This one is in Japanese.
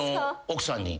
奥さんに？